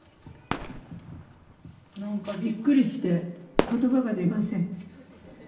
何かびっくりして言葉が出ません。